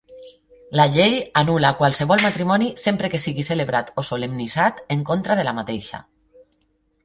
La Llei anul·la qualsevol matrimoni sempre que sigui celebrat o solemnitzat en contra de la mateixa.